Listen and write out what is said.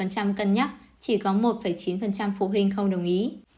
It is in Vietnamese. hai mươi chín một cân nhắc chỉ có một chín phụ huynh không đồng ý